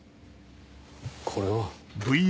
これは？